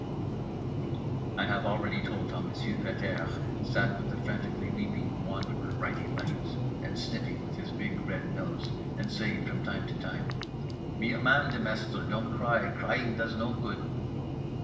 I have already told how Monsieur Pet airs sat with the frantically weeping Wanderer writing letters, and sniffing with his big red nose, and saying from time to time: "Be a man, Demestre, don't cry, crying does no good."